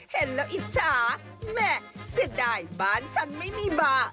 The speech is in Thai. เห็นแล้วอิจฉาแหม่เสียดายบ้านฉันไม่มีบาร์